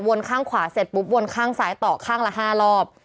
ข้างขวาเสร็จปุ๊บวนข้างซ้ายต่อข้างละ๕รอบ